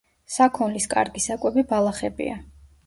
საქონლის კარგი საკვები ბალახებია.